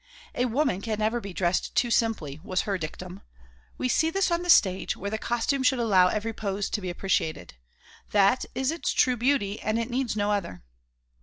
"A woman can never be dressed too simply," was her dictum. "We see this on the stage, where the costume should allow every pose to be appreciated. That is its true beauty and it needs no other."